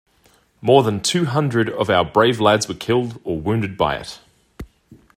More than two hundred of our brave lads were killed or wounded by it.